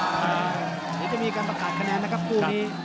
เดี๋ยวจะมีการประกาศคะแนนนะครับคู่นี้